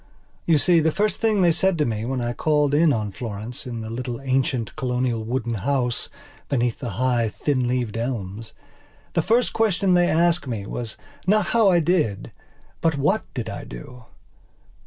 You see, the first thing they said to me when I called in on Florence in the little ancient, colonial, wooden house beneath the high, thin leaved elmsthe first question they asked me was not how I did but what did I do.